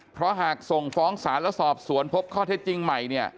เพราะหากส่งฟ้องศาลและสอบสวนพบข้อเท็จจริงใหม่เนี่ย